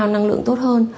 năng lượng tốt hơn